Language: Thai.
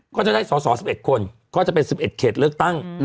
ก็จะได้สอสอ๑๑คนก็จะเป็น๑๑เขตเลือกตั้ง